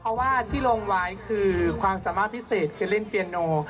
เพราะว่าที่ลงไว้คือความสามารถพิเศษเคลินเปียโน